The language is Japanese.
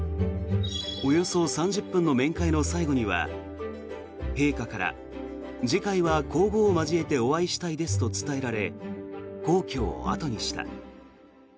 およそ３０分の面会の最後には陛下から次回は皇后を交えてお会いしたいですと伝えられ皇居を後にした。